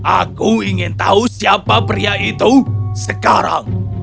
aku ingin tahu siapa pria itu sekarang